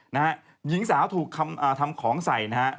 หญิงสาวถูกทำของใส่นะฮะ